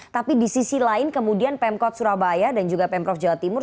tapi di sisi lain kemudian pemkot surabaya dan juga pemprov jawa timur